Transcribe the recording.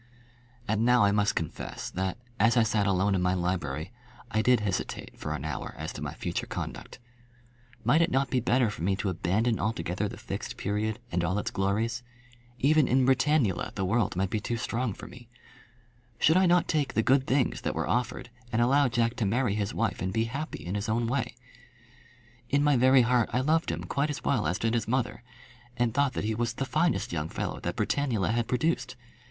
And now I must confess that, as I sat alone in my library, I did hesitate for an hour as to my future conduct. Might it not be better for me to abandon altogether the Fixed Period and all its glories? Even in Britannula the world might be too strong for me. Should I not take the good things that were offered, and allow Jack to marry his wife and be happy in his own way? In my very heart I loved him quite as well as did his mother, and thought that he was the finest young fellow that Britannula had produced.